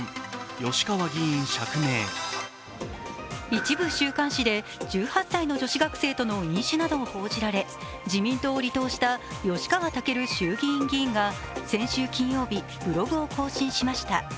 一部週刊誌で１８歳の女子学生との飲酒などを報じられ自民党を離党した吉川赳衆議院議員が先週金曜日ブログを更新しました。